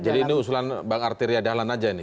jadi ini usulan bang artir yadahlan aja nih